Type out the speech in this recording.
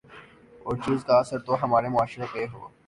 اور چیز کا اثر تو ہمارے معاشرے پہ ہو